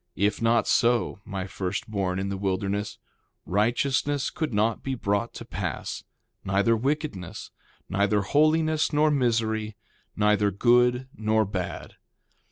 If not so, my first born in the wilderness, righteousness could not be brought to pass, neither wickedness, neither holiness nor misery, neither good nor bad.